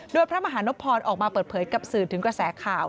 โดยพระมหานพรออกมาเปิดเผยกับสื่อถึงกระแสข่าว